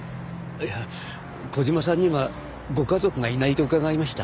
いや小島さんにはご家族がいないと伺いました。